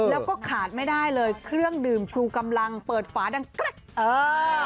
แล้วก็ขาดไม่ได้เลยเครื่องดื่มชูกำลังเปิดฝาดังแกรกเออ